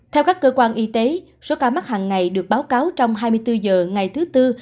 theo các cơ quan y tế số ca mắc hằng ngày được báo cáo trong hai mươi bốn h ngày thứ tư